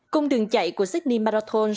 cung đường chạy của sydney marathon